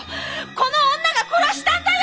この女が殺したんだよ！